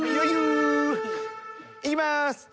いきます！